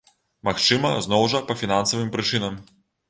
Магчыма, зноў жа па фінансавым прычынам.